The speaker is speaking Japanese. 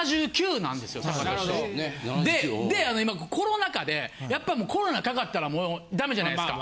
で今コロナ禍でやっぱコロナかかったらもうダメじゃないですか。